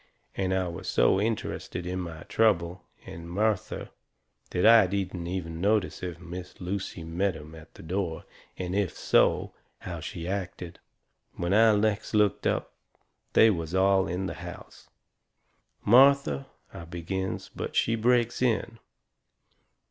And I was so interested in my trouble and Martha that I didn't even notice if Miss Lucy met 'em at the door, and if so, how she acted. When I next looked up they was all in the house. "Martha " I begins. But she breaks in.